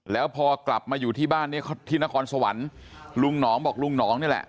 แล้วพอกลับมาอยู่ที่บ้านเนี่ยที่นครสวรรค์ลุงหนองบอกลุงหนองนี่แหละ